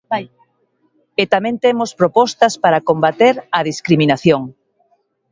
E tamén temos propostas para combater a discriminación.